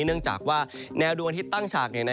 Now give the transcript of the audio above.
เนื่องจากว่าแนวดวงอาทิตย์ตั้งฉาก